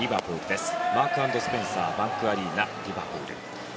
マークス＆スペンサーバンクアリーナリバプール